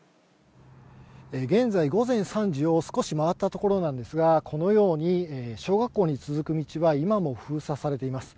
現在、午前３時を少し回ったところなんですが、このように、小学校に続く道は今も封鎖されています。